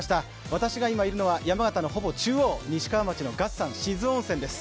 私が今いるのは山形のほぼ中央、西川町の月山志津温泉です。